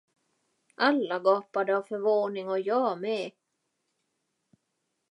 Alla gapade av förvåning och jag med.